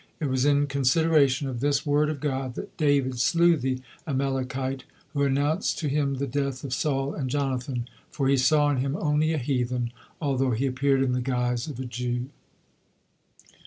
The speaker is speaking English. It was in consideration of this word of God that David slew the Amalekite, who announced to him the death of Saul and Jonathan; for he saw in him only a heathen, although he appeared in the guise of a Jew.